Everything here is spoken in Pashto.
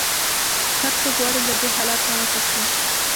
هر څوک غواړي له دې حالت نه وتښتي.